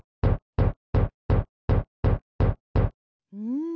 うん。